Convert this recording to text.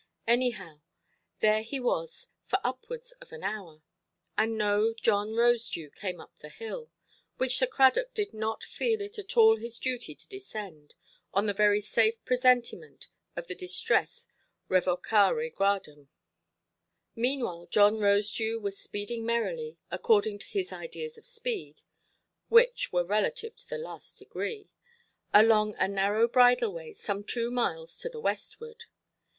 Anyhow, there he was, for upwards of an hour; and no John Rosedew came up the hill, which Sir Cradock did not feel it at all his duty to descend, on the very safe presentiment of the distress revocare gradum. Meanwhile John Rosedew was speeding merrily, according to his ideas of speed (which were relative to the last degree), along a narrow bridle–way, some two miles to the westward.